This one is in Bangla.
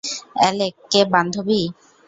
অ্যালেক কে বান্ধবী?